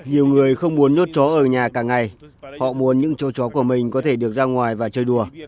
nhiều người không muốn nhốt chó ở nhà cả ngày họ muốn những châu chó của mình có thể được ra ngoài và chơi đùa